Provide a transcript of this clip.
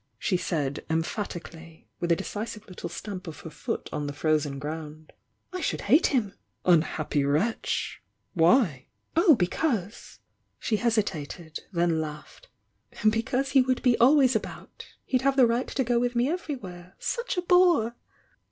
she said, emphatisally, with a decisive little stamp of her foot on the frozen ground. "I should hate himi" "Unhappy wretch ! Why?" "Oh, because!"— she hesitated, then lauded— because he would be always about! He'd have the right to go with me everywhere — such a bore!"